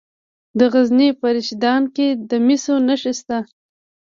د غزني په رشیدان کې د مسو نښې شته.